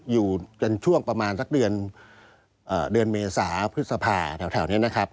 อยู่กันช่วงประมาณสักเดือนเมษาพฤษภาแถวนี้นะครับ